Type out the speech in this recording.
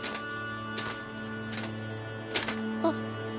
あっ。